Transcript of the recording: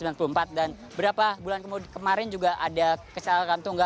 dan beberapa bulan kemarin juga ada kesalahan tunggal